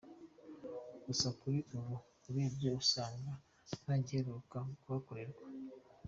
Gusa kuri ubu urebye usanga ntagiheruka kuhakorerwa.